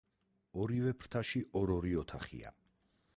ორივე ფრთაში ორ-ორი ოთახია.